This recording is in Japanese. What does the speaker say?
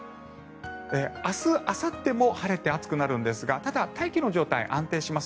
明日、あさっても晴れて暑くなるんですがただ、大気の状態、安定します。